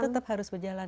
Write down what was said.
tetap harus berjalan